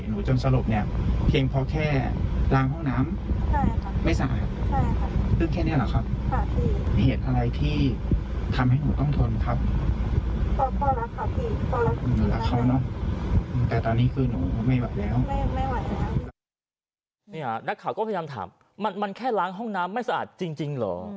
นักข่าวก็พยายามถามมันแค่ล้างห้องน้ำไม่สะอาดจริงเหรอ